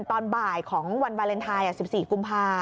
ตอนบ่ายของวันวาเลนไทย๑๔กุมภา